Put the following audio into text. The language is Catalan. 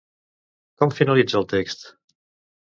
Com finalitza el text?